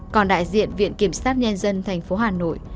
còn đại diện viện kiểm sát nhân dân thành phố hà nội